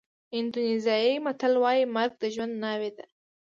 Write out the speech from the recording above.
اندونېزیایي متل وایي مرګ د ژوند ناوې ده.